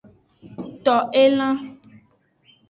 To elan.